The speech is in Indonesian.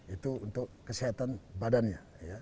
itu untuk kesehatan badannya